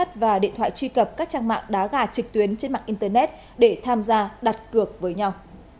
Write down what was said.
và điện thoại truy cập các trang mạng đá gà trực tuyến trên mạng internet để tham gia đặt cược với nhau